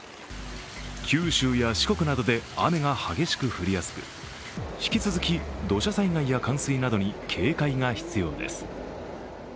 九州や四国などで雨が激しく降りやすく引き続き土砂災害や冠水などに警戒が必要です。